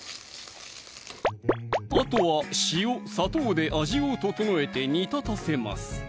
あとは塩・砂糖で味を調えて煮立たせます